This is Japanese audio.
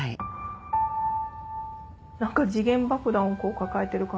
何か時限爆弾を抱えてる感じ。